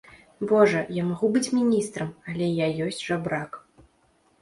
Божа, я магу быць міністрам, але я ёсць жабрак.